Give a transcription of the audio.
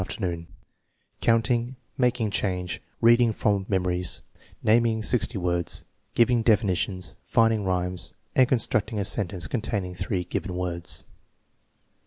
RELIABILITY OP THE METHOD 115 noon; counting; making change; reading for memories; naming sixty words; giving definitions; finding rhymes; and constructing a sentence containing three given words.